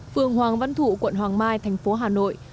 phường hoàng văn thụ quận hoàng mai thành phố hà nội